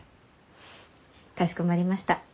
かしこまりました。